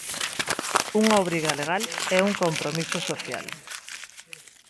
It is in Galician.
Unha obriga legal e un compromiso social.